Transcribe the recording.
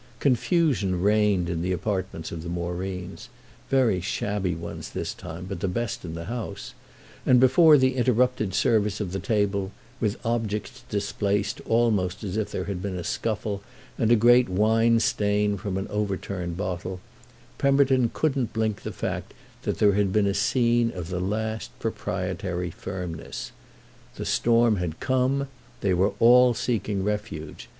Confusion reigned in the apartments of the Moreens—very shabby ones this time, but the best in the house—and before the interrupted service of the table, with objects displaced almost as if there had been a scuffle and a great wine stain from an overturned bottle, Pemberton couldn't blink the fact that there had been a scene of the last proprietary firmness. The storm had come—they were all seeking refuge.